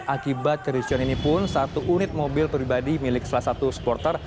akibat kericuan ini pun satu unit mobil pribadi milik salah satu supporter